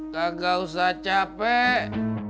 kagak usah capek